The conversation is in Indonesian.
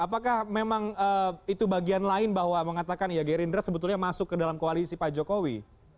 apakah memang itu bagian lain bahwa mengatakan ya gerindra sebetulnya masuk ke dalam koalisi pak jokowi